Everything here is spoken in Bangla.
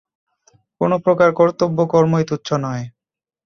কোন প্রকার কর্তব্য কর্মই তুচ্ছ নয়।